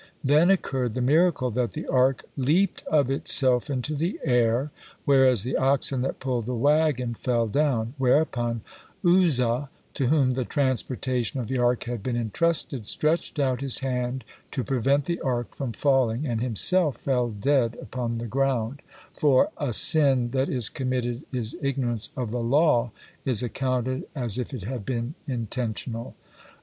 Then occurred the miracle that the Ark leaped of itself into the air, whereas the oxen that pulled the wagon fell down, whereupon Uzzah, to whom the transportation of the Ark had been entrusted, stretched out his hand to prevent the Ark from falling and himself fell dead upon the ground, for "a sin that is committed is ignorance of the law is accounted as if it had been intentional."